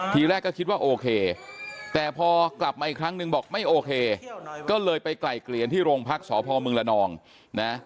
ทีแรกก็คิดว่าโอเคแต่พอกลับมาอีกครั้งนึงบอกไม่โอเคก็เลยไปไกลเกลี่ยที่โรงพักษพมละนองนะ